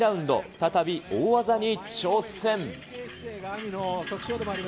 再び大技に挑戦。